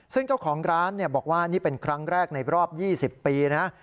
ซึ่งเจ้าของร้านบอกว่านี่เป็นครั้งแรกในรอบ๒๐ปีนะ